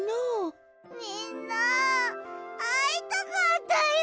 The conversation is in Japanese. みんなあいたかったよ！